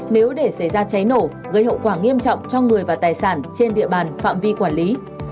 nếu để xảy ra cháy nổ gây hậu quả nghiêm trọng cho người và tài sản trên địa bàn phạm vi quản lý